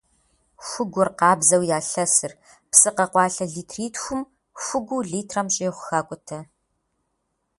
Хугур къабзэу ялъэсыр, псы къэкъуалъэ литритхум хугуу литрэм щӏигъу хакӏутэ.